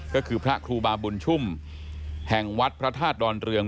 ก็คือพระครูบาบุญชุ่มแห่งวัดพระธาตุดอนเรือง